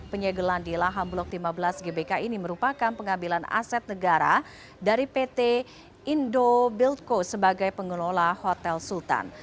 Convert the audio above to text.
penyegelan di lahan blok lima belas gbk ini merupakan pengambilan aset negara dari pt indo buildco sebagai pengelola hotel sultan